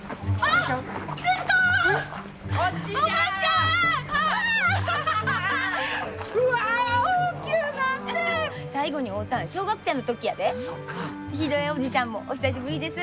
ヒデオ叔父ちゃんもお久しぶりです。